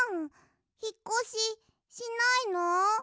ひっこししないの？